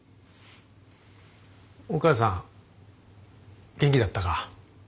お母さん元気だったか？